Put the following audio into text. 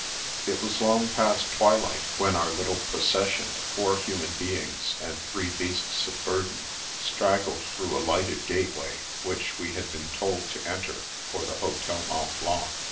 It was long past twilight when our little procession of four human beings and three beasts of burden straggled through a lighted gateway which we had been told to enter for the Hotel Mont Blanc.